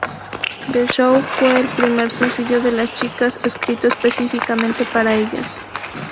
The Show fue el primer sencillo de las chicas, escrito específicamente para ellas.